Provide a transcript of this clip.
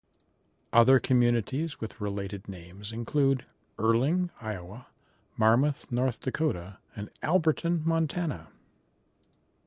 Other communities with related names include Earling, Iowa; Marmarth, North Dakota; and Alberton, Montana.